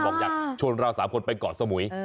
บอกอยากชวนเรา๓คนไปก่อสมุย